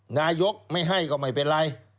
นายกไม่ให้ก็ไม่เป็นไร